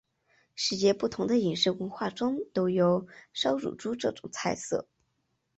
世界不同的饮食文化中都有烧乳猪这种菜色。